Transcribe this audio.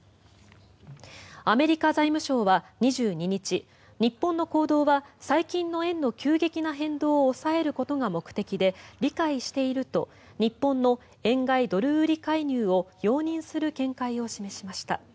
アメリカ財務省は２２日日本の行動は最近の円の急激な変動を抑えることが目的で理解していると日本の円買い・ドル売り介入を容認する見解を示しました。